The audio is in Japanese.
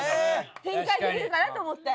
展開できるかなと思って。